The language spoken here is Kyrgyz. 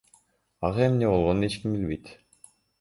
Ага эмне болгонун эч ким билбейт.